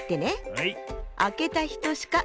はい！